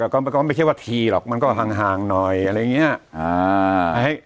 ก็ก็ไม่ใช่ว่าทีหรอกมันก็หังห่างหน่อยอะไรเงี้ยอ่า